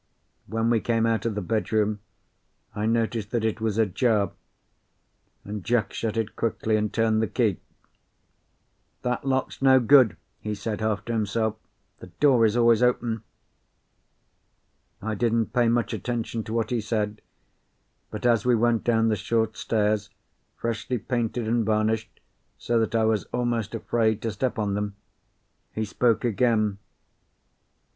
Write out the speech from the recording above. When we came out of the bedroom I noticed that it was ajar, and Jack shut it quickly and turned the key. "That lock's no good," he said, half to himself. "The door is always open." I didn't pay much attention to what he said, but as we went down the short stairs, freshly painted and varnished so that I was almost afraid to step on them, he spoke again.